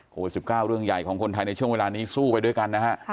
โควิด๑๙เรื่องใหญ่ของคนไทยในช่วงเวลานี้สู้ไปด้วยกันนะฮะ